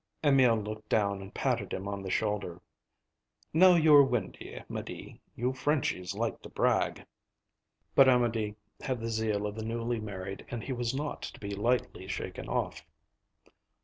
Emil looked down and patted him on the shoulder. "Now you're windy, 'Médée. You Frenchies like to brag." But Amédée had the zeal of the newly married, and he was not to be lightly shaken off.